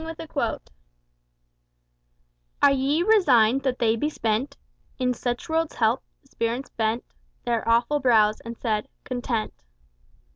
The Muleteer "Are ye resigned that they be spent In such world's help? The spirits bent Their awful brows, and said, 'Content!